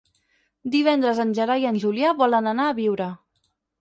Divendres en Gerai i en Julià volen anar a Biure.